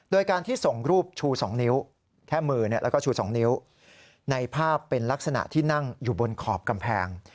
โดยการที่ส่งรูปชู๒นิ้วแค่มือแล้วก็ชู๒นิ้วในภาพเป็นลักษณะที่นั่งอยู่บนขอบกำแพง